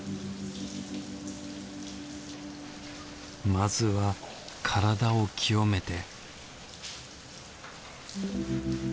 まずは体を清めて